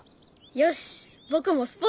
よし！